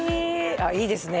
あいいですね